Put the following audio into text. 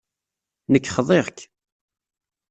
Nekk xḍiɣ-k.